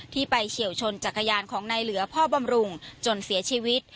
ไปเฉียวชนจักรยานของนายเหลือพ่อบำรุงจนเสียชีวิต